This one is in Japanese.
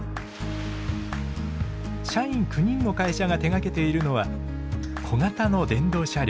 社員９人の会社が手がけているのは小型の電動車両。